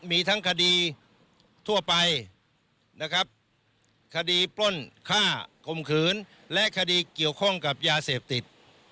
มีทั้งคดีทั่วไปนะครับคดีปล้นฆ่าคมขืนและคดีเกี่ยวข้องกับยาเสพติด